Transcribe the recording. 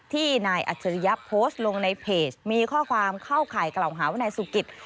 นายอัจฉริยะโพสต์ลงในเพจมีข้อความเข้าข่ายกล่าวหาว่านายสุกิต